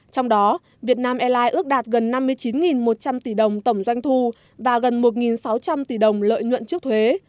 trong đó vietnam airlines ước đạt gần năm mươi chín một trăm linh tỷ đồng tổng doanh thu và gần một sáu trăm linh tỷ đồng lợi nhuận trước thuế